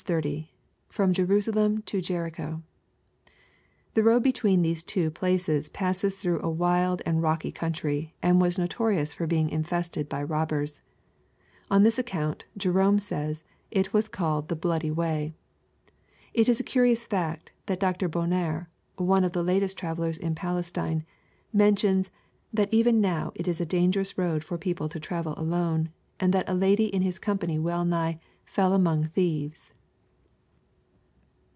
— [From Jerusdiem to Jericho^l The road between these two places passed through a wild and rocky country, and was noto rious for being mfegted by robbers. On this accountj Jerome saya^ it was called '* the bloody way." It is a curious fact^ that Dr. Bonar, one of the latest travellers in Palestine, mentions, that even now it is a dangerous road for people to travel alone, and tliat a I lady in his company well nigh " fell among thieves."